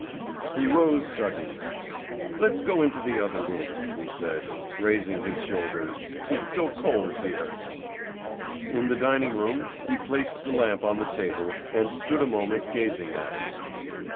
He rose suddenly. "Let's go into the other room," he said, raising his shoulders; "it's so cold here." In the dining room he placed the lamp on the table, and stood a moment gazing at it.